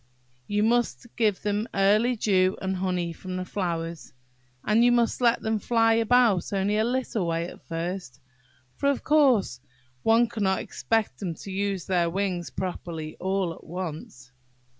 You must give them early dew, and honey from the flowers; and you must let them fly about only a little way at first; for, of course, one can't expect them to use their wings properly all at once.